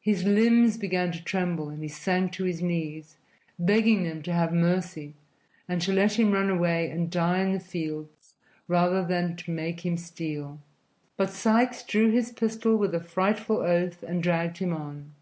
His limbs began to tremble and he sank to his knees, begging them to have mercy and to let him run away and die in the fields rather than to make him steal. But Sikes drew his pistol with a frightful oath and dragged him on.